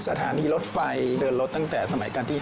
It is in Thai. สถานีรถไฟเดินรถตั้งแต่สมัยการที่๕